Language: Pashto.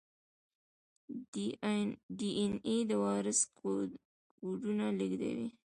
ډي این اې د وراثت کوډونه لیږدوي